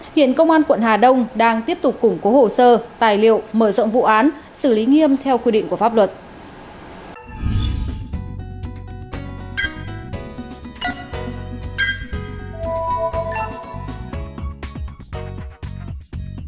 hiện công an quận hà đông đang tiếp tục củng cố hồ sơ tài liệu mở rộng vụ án xử lý nghiêm theo quy định của pháp luật